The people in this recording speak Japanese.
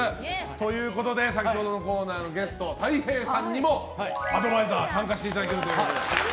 ということで先ほどのコーナーのゲストたい平さんにもアドバイザーで参加していただけるということで。